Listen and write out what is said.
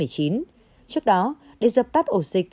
trước đó để dập tắt ổ dịch